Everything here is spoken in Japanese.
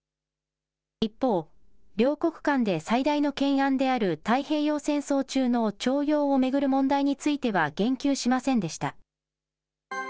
一方、両国間で最大の懸案である太平洋戦争中の徴用を巡る問題については言及しませんでした。